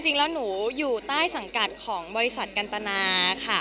จริงแล้วหนูอยู่ใต้สังกัดของบริษัทกันตนาค่ะ